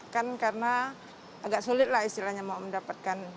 kan karena agak sulit lah istilahnya mau mendapatkan